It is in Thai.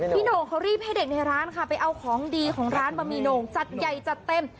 โหน่งเขารีบให้เด็กในร้านค่ะไปเอาของดีของร้านบะหมี่โหน่งจัดใหญ่จัดเต็ม